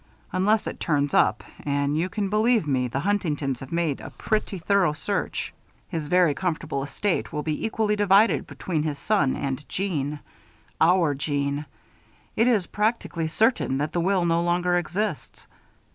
Unless it turns up and you can believe me, the Huntingtons have made a pretty thorough search his very considerable estate will be equally divided between his son Charles and Jeanne our Jeanne. It is practically certain that the will no longer exists."